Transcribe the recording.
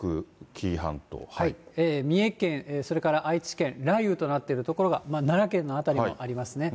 三重県、それから愛知県、雷雨となっている所が、奈良県の辺りもありますね。